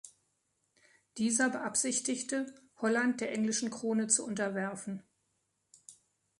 Dieser beabsichtigte, Holland der englischen Krone zu unterwerfen.